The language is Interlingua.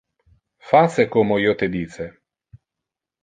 Face como io te dice.